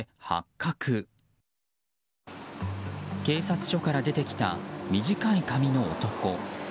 警察署から出てきた短い髪の男。